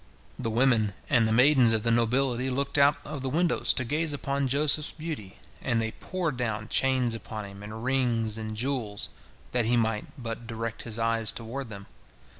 The women and the maidens of the nobility looked out of the windows to gaze upon Joseph's beauty, and they poured down chains upon him, and rings and jewels, that he might but direct his eyes toward them.